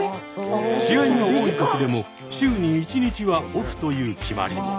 試合が多い時でも週に１日はオフという決まりも。